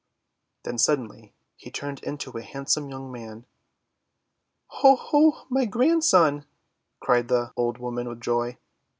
Then suddenly he turned into a handsome young man. "Oh! Ho! My Grandson!" cried the old woman with joy.